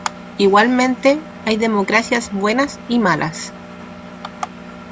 Igualmente, hay democracias buenas y malas.